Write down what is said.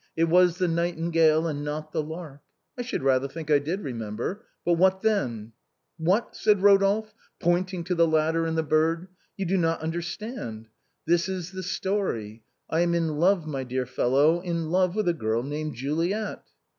It was the nightingale and not the lark." I should rather think I did remember. But what then ?"" What !" said Eodolphe, pointing to the ladder and the bird. " You do not understand ! This is the story : I am in love, my dear fellow, in love with a girl named Juliet."